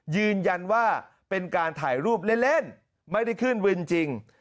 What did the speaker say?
ยืนยันว่าเป็นการถ่ายรูปเล่นไม่ได้ขึ้นวินจริง